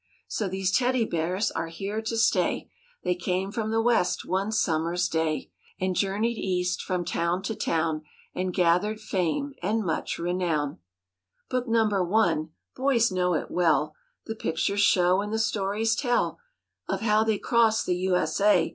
So these Teddy Bears are here to stay: They came from the West one summer's day And journeyed East from town to town And gathered fame and much renown. 18 MORE ABOUT THE ROOSEVELT BEARS Book Number One (boys know it well) The pictures show and the stories tell Of how they crossed the U. S. A.